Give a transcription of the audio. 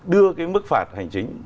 đưa cái mức phạt hành chính